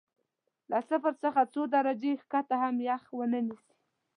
له صفر څخه څو درجې ښکته کې هم یخ ونه نیسي.